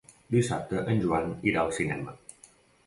Dissabte en Joan irà al cinema.